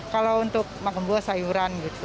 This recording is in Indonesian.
kalau untuk makan buah sayuran gitu